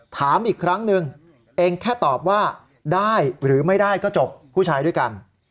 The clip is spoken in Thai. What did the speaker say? ถามอีกครั้งหนึ่งเองแค่ตอบว่าได้หรือไม่ได้ก็จบผู้ชายด้วยกัน